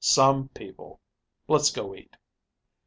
Some people! Let's go eat."